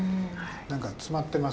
何か詰まってますね